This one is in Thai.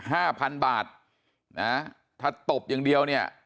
ห้าพันบาทนะถ้าตบอย่างเดียวเนี่ย